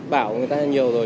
bão người ta nhiều rồi